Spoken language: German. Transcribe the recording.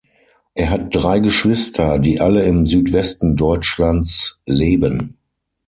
Er hat drei Geschwister, die alle im Südwesten Deutschlands leben.